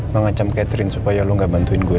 mengacam catering supaya lo gak bantuin gue